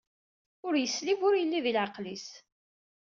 Ur islib ur yelli di leɛqel-is.